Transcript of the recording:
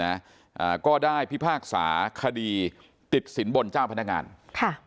อ่าก็ได้พิพากษาคดีติดสินบนเจ้าพนักงานค่ะ